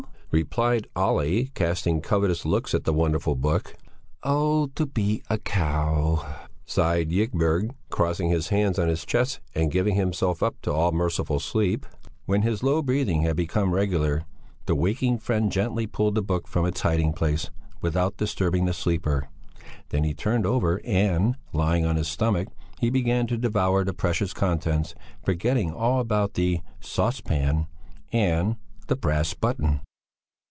replied Olle, casting covetous looks at the wonderful book. "Oh! to be a cow!" sighed Ygberg, crossing his hands on his chest and giving himself up to all merciful sleep. When his low breathing had become regular, the waking friend gently pulled the book from its hiding place, without disturbing the sleeper; then he turned over and lying on his stomach he began to devour the precious contents, forgetting all about the "Sauce Pan" and the "Brass Button."